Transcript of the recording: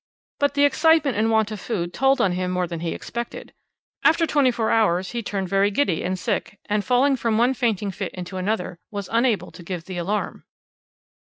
But the excitement and want of food told on him more than he expected. After twenty four hours he turned very giddy and sick, and, falling from one fainting fit into another, was unable to give the alarm.